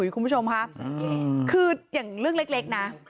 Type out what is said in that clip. คุณผู้ชมค่ะคืออย่างเรื่องเล็กนะ